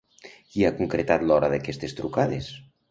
Qui ha concretat l'hora d'aquestes trucades?